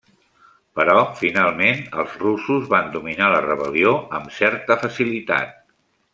Però finalment els russos van dominar la rebel·lió amb certa facilitat.